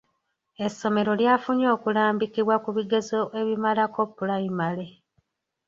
Essomero lyafunye okulambikibwa ku bigezo ebimalako pulayimale